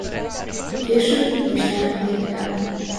Később itt is temették el.